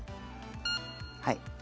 はい。